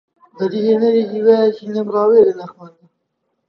بەدیهێنەری هیوایەکی نەبڕاوەیە لە ناخماندا